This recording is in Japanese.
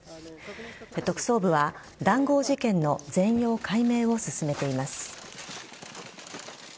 特捜部は談合事件の全容解明を進めています。